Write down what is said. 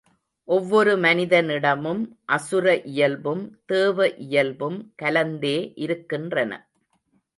ஒவ்வொரு மனிதனிடமும் அசுர இயல்பும் தேவ இயல்பும் கலந்தே இருக்கின்றன.